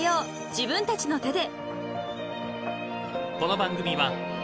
自分たちの手で］